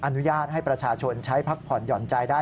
อนุญาตให้ประชาชนใช้พักผ่อนหย่อนใจได้